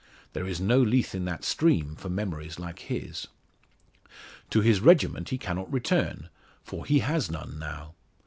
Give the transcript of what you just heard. There is no Lethe in that stream for memories like his. To his regiment he cannot return, for he has none now.